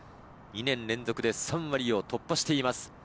２年連続で３割を突破しています。